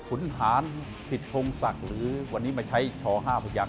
ขุนฐานสิทธงศักดิ์หรือวันนี้มาใช้ชอ๕พยักษ